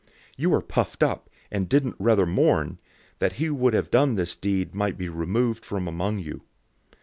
005:002 You are puffed up, and didn't rather mourn, that he who had done this deed might be removed from among you.